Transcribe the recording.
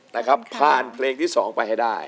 นะครับผ่านเพลงที่๒ไปให้ได้